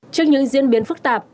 trước những diễn biến phức tạp